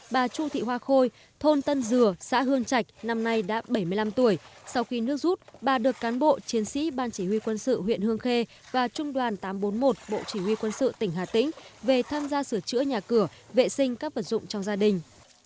bà chu thị hoa khôi thôn tân dừa xã hương trạch năm nay đã bảy mươi năm tuổi sau khi nước rút bà được cán bộ chiến sĩ ban chỉ huy quân sự huyện hương khê và trung đoàn tám trăm bốn mươi một bộ chỉ huy quân sự tỉnh hà tĩnh về tham gia sửa chữa nhà cửa vệ sinh các vật dụng trong gia đình